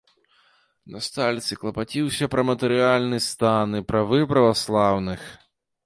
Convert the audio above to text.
На стальцы клапаціўся пра матэрыяльны стан і правы праваслаўных.